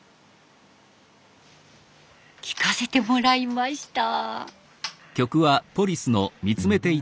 聴かせてもらいました。